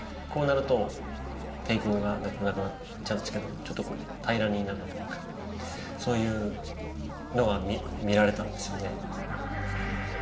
こうなると、抵抗がなくなっちゃうんですけどちょっと平らになるというかそういうのが見られたんですよね。